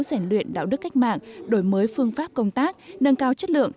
giải luyện đạo đức cách mạng đổi mới phương pháp công tác nâng cao chất lượng